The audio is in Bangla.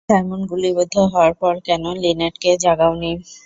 সাইমন গুলিবিদ্ধ হওয়ার পর কেন লিনেটকে জাগাওনি?